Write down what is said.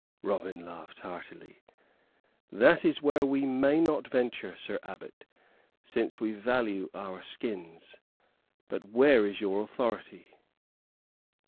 Robin laughed heartily. "That is where we may not venture, Sir Abbot, since we value our skins. But where is your authority?"